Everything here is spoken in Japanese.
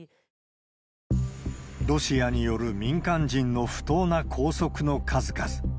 ロシアによる民間人の不当な拘束の数々。